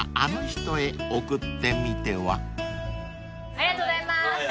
ありがとうございます。